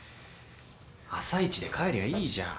朝一で帰りゃいいじゃん。